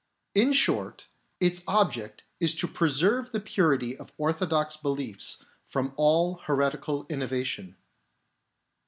In short, its object is to preserve the purity of orthodox beliefs from all heretical innovation.